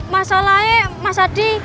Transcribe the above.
masalahnya mas hadi